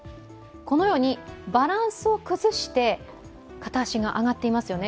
バランスを崩して片足が上がっていますよね。